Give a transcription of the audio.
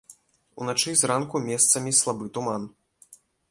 Уначы і зранку месцамі слабы туман.